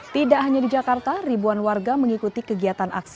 tidak hanya di jakarta ribuan warga mengikuti kegiatan aksi